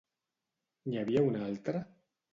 N'hi havia una altra?